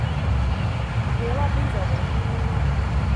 Jei labi izaver.